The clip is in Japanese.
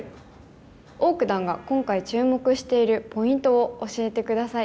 王九段が今回注目しているポイントを教えて下さい。